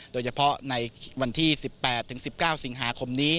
โดยเฉพาะในวันที่๑๘๑๙สิงหาคมนี้